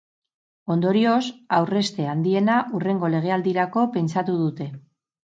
Ondorioz, aurrezte handiena hurrengo legealdirako pentsatu dute.